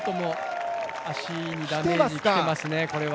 足にダメージきてますね、これは。